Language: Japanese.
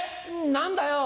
何だよ。